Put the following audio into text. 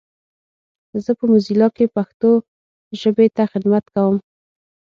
زه په موزیلا کې پښتو ژبې ته خدمت کوم.